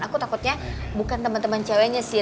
aku takutnya bukan temen temen ceweknya sih